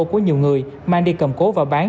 của nhiều người mang đi cầm cố và bán